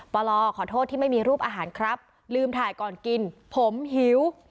ปลขอโทษที่ไม่มีรูปอาหารครับลืมถ่ายก่อนกินผมหิว